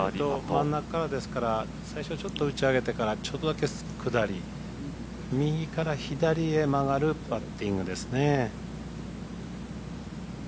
真ん中ですから最初はちょっと打ち上げてからちょっとだけ下り右から左へ曲がるパッティングですね。